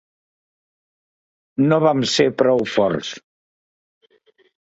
No vam ser prou forts.